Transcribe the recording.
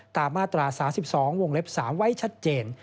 ตามมาตรา๓๒วงเล็บ๓ไว้ชัดเจน